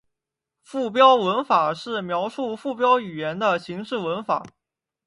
附标文法是描述附标语言的形式文法。